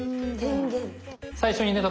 最初にね